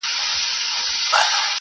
شا او مخي ته یې ووهل زورونه-